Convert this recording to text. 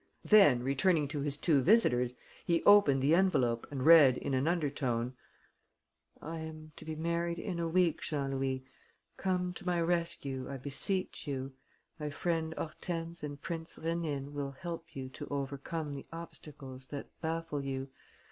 Then, returning to his two visitors, he opened the envelope and read, in an undertone: "I am to be married in a week, Jean Louis. Come to my rescue, I beseech you. My friend Hortense and Prince Rénine will help you to overcome the obstacles that baffle you.